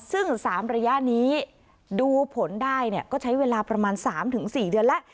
ซึ่ง๓ระยะนี้ดูผลได้ก็ใช้เวลาประมาณ๓๔เดือนแล้ว